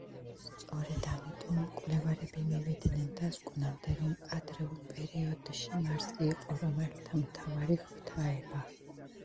სწორედ ამიტომ მკვლევარები მივიდნენ დასკვნამდე, რომ ადრეულ პერიოდში მარსი იყო რომაელთა მთავარი ღვთაება.